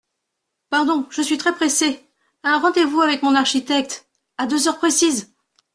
Pardon, je suis très pressé… un rendez-vous avec mon architecte… à deux heures précises…